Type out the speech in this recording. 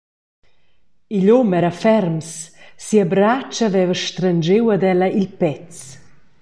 Igl um era ferms, sia bratscha veva strenschiu ad ella il pèz.